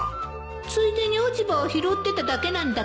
ついでに落ち葉を拾ってただけなんだけど